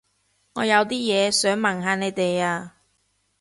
我有啲嘢想問下你哋啊